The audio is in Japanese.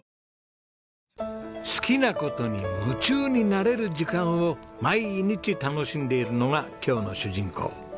好きな事に夢中になれる時間を毎日楽しんでいるのが今日の主人公。